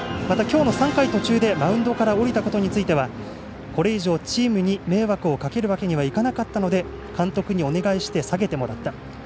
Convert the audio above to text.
またきょうも３回途中でマウンドから降りたことについてはこれ以上チームに迷惑をかけるわけにはいかなかったので監督にお願いして下げてもらった。